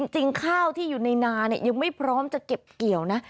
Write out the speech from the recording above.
ข้าวที่อยู่ในนายังไม่พร้อมจะเก็บเกี่ยวนะ